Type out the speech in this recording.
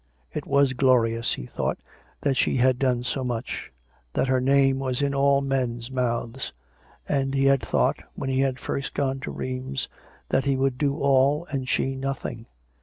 It was glorious, he thought, that she had done so much; that her name was in all men's mouths. And he had thought, when he had first gone to Rheims, that he would do all and she nothing